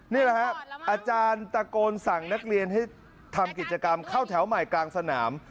นี่แหละฮะอาจารย์ตะโกนสั่งนักเรียนให้ทำกิจกรรมเข้าแถวใหม่กลางสนาม